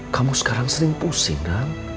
kamu sekarang sering pusing kan